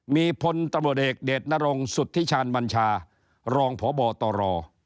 มีพลตำรวจเอกเดชนรงสุธิชาญบัญชารองพบตร